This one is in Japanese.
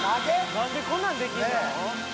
何でこんなんできんの？